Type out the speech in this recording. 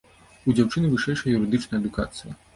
У дзяўчыны вышэйшая юрыдычная адукацыя.